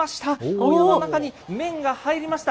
お湯の中に麺が入りました。